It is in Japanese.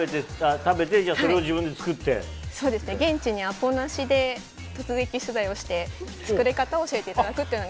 現地にアポなしで突撃取材をして作り方を教えていただくという。